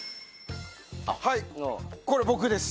はいこれ僕です。